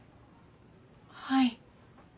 はい。